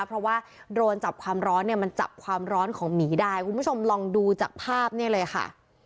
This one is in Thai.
เพราะว่าโดนจับความร้อนเนี่ยมันจับความร้อนของหมีได้คุณผู้ชมลองดูจากภาพเนี่ยเลยค่ะ